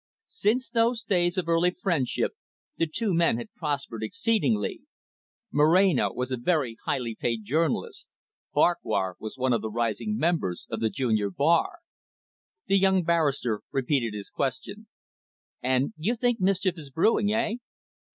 Since those days of early friendship, the two men had prospered exceedingly. Moreno was a very highly paid journalist. Farquhar was one of the rising members of the junior bar. The young barrister repeated his question. "And you think mischief is brewing, eh?"